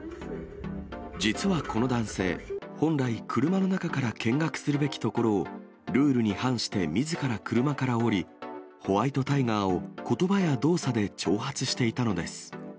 実はこの男性、本来、車の中から見学するべきところを、ルールに反してみずから車から降り、ホワイトタイガーをことばや動作で挑発していたのです。